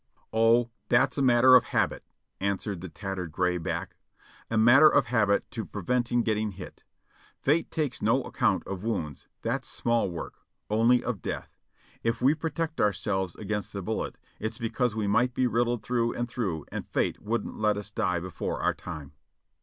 "O, that's a matter of habit," answers the tattered gray back; "a matter of habit to prevent getting hit. Fate takes no account of wounds, that's small work — only of death. If we protect our selves against the bullet, it's because we might be riddled through and through and Fate wouldn't let us die before our time.